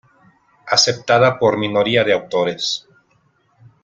Aceptada por minoría de autores.